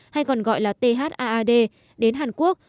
hay còn gọi là thaad đến hàn quốc